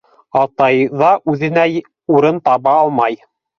Атай ҙа үҙенә урын таба алмай.